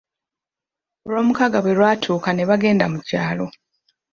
Olwomukaaga bwe lwatuuka ne bagenda mu kyalo.